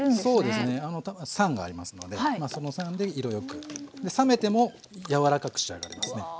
そうですね酸がありますのでその酸で色良くで冷めても柔らかく仕上がりますね。